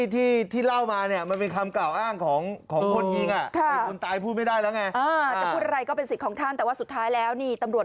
ที่เล่ามาเนี่ย